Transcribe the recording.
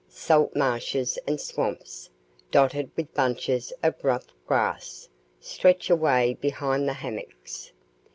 Salt marshes and swamps, dotted with bunches of rough grass, stretch away behind the hummocks.